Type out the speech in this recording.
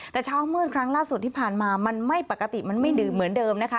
แต่เช้ามืดครั้งล่าสุดที่ผ่านมามันไม่ปกติมันไม่ดื่มเหมือนเดิมนะคะ